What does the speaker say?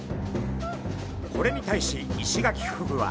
これに対しイシガキフグは。